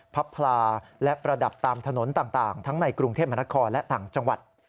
พับพลาและประดับตามถนนต่างทั้งในกรุงเทพมนครและต่างจังหวัด